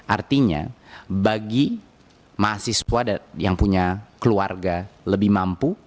artinya bagi mahasiswa yang punya keluarga lebih mampu